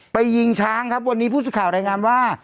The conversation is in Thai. ไปยิงช้างครับวันนี้พูดสุข่าวแรงงานว่า